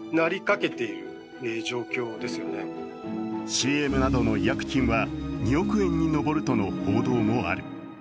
ＣＭなどの違約金は２億円に上るとの報道もある。